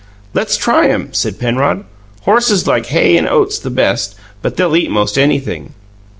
"Let's try him," said Penrod. "Horses like hay and oats the best; but they'll eat most anything."